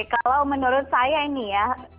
kalau menurut saya ini ya